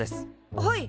はい。